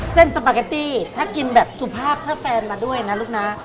สปาเกตตี้ถ้ากินแบบสุภาพถ้าแฟนมาด้วยนะลูกนะ